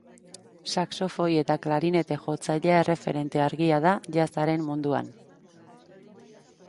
Saxofoi eta klarinete jotzailea erreferente argia da jazzaren munduan.